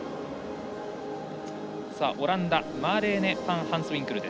オランダのファンハンスウィンクル。